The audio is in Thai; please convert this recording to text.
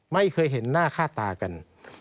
ไม่เคยเห็นหน้าค่าตากัน